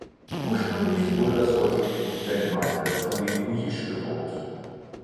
Ursprünglich wurde das heutige Gebiet der Gemeinde von den Huilliche bewohnt.